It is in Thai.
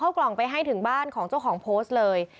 กล่องไปให้ถึงบ้านของเจ้าของโพสต์เลย